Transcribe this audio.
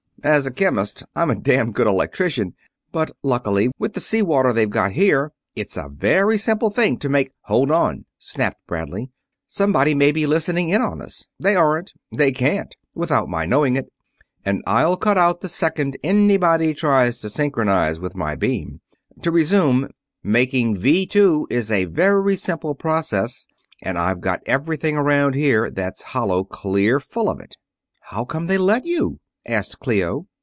As a chemist I'm a damn good electrician; but luckily, with the sea water they've got here, it's a very simple thing to make...." "Hold on!" snapped Bradley. "Somebody may be listening in on us!" "They aren't. They can't, without my knowing it, and I'll cut off the second anybody tries to synchronize with my beam. To resume making Vee Two is a very simple process, and I've got everything around here that's hollow clear full of it...." "How come they let you?" asked Clio.